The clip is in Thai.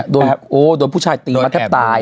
โดยผู้ชายตีมาแทบตาย